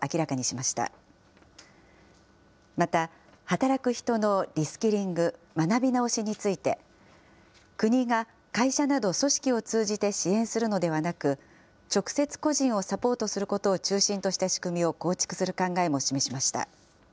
また、働く人のリスキリング・学び直しについて、国が会社など組織を通じて支援するのではなく、直接個人をサポートすることを中心とした仕組みを構築する考えも示しました。